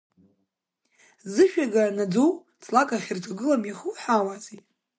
Зышәага наӡоу ҵлак ахьырҿагылам, иахуҳәаауазеи?